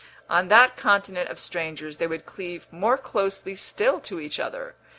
On that continent of strangers they would cleave more closely still to each other.